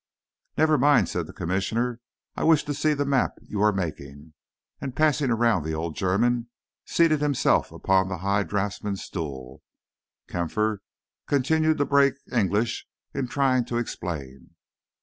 "Never mind," said the Commissioner, "I wish to see the map you are making"; and, passing around the old German, seated himself upon the high draughtsman's stool. Kampfer continued to break English in trying to explain.